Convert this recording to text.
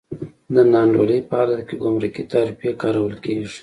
د نا انډولۍ په حالت کې ګمرکي تعرفې کارول کېږي.